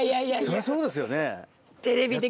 そりゃそうですよね。